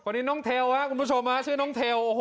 คนนี้น้องเทวคุณผู้ชมชื่อน้องเทว